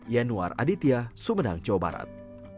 yanuar aditya sumedang jawa barat